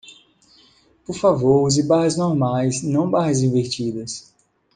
Por favor use barras normais, não barras invertidas.